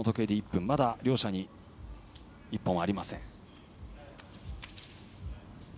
まだ両者に１本はありません。